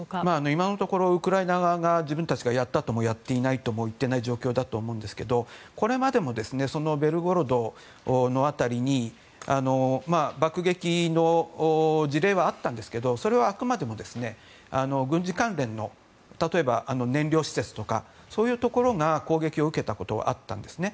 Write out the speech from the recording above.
今のところウクライナ側が自分たちがやったともやっていないとも言っていない状況だと思うんですがこれまでもベルゴロドの辺りに爆撃の事例はあったんですけどもそれはあくまでも軍事関連の例えば燃料施設とかそういうところが攻撃を受けたことはあったんですね。